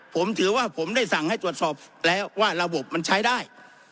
ผมถือว่าผมได้สั่งให้ตรวจสอบแล้วว่าระบบมันใช้ได้